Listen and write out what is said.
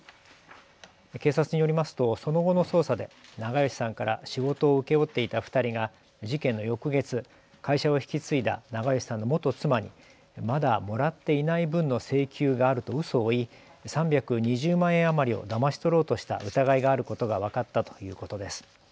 警察によりますとその後の捜査で長葭さんから仕事を請け負っていた２人が事件の翌月、会社を引き継いだ長葭さんの元妻に、まだもらっていない分の請求があるとうそを言い３２０万円余りをだまし取ろうとした疑いがあることが分かったということです。